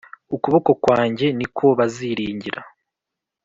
Ukuboko kwanjye ni ko baziringira